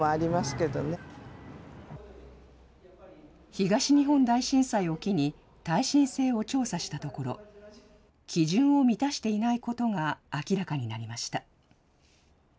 東日本大震災を機に、耐震性を調査したところ、基準を満たしていないことが明らかになりました。